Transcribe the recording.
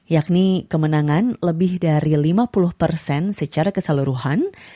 yakni kemenangan lebih dari lima puluh persen secara keseluruhan